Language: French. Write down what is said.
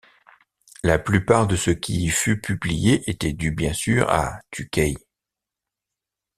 La plupart de ce qui y fut publié était dû bien sûr à Tuqay.